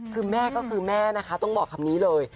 คือแม่ก็คือแม่นะคะต้องบอกคำนี้เลย